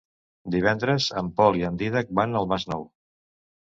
Divendres en Pol i en Dídac van al Masnou.